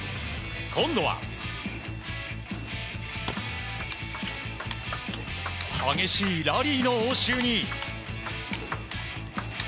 今度は激しいラリーの応酬に。